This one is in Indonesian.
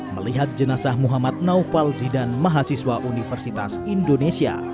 melihat jenazah muhammad naufal zidan mahasiswa universitas indonesia